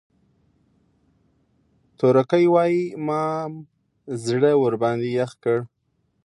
تورکى وايي مام زړه ورباندې يخ کړ.